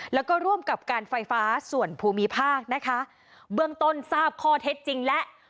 แล้วก็ร่วมกับการไฟฟ้าส่วนภูมิภาคนะคะเบื้องต้นทราบข้อเท็จจริงแล้ว